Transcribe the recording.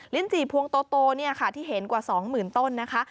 จีพวงโตที่เห็นกว่า๒๐๐๐ต้นนะคะ